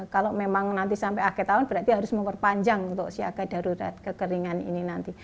kalau memang nanti sampai akhir tahun berarti harus memperpanjang untuk siaga darurat kekeringan ini nanti